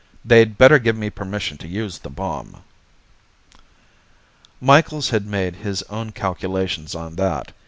They'd better give me permission to use the bomb." Micheals had made his own calculations on that.